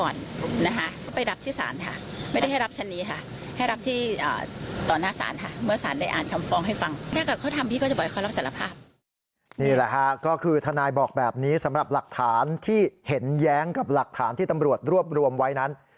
นี่แหละค่ะก็คือทนายบอกแบบนี้สำหรับหลักฐานที่เห็นแย้งกับหลักฐานที่ตำรวจรวบรวมไว้นั้น